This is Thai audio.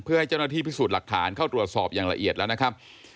เพื่อให้เจ้าหน้าที่พิสูจน์หลักฐานเข้าตรวจสอบอย่างละเอียดแล้วนะครับ